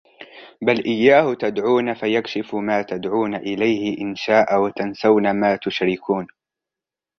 بَلْ إِيَّاهُ تَدْعُونَ فَيَكْشِفُ مَا تَدْعُونَ إِلَيْهِ إِنْ شَاءَ وَتَنْسَوْنَ مَا تُشْرِكُونَ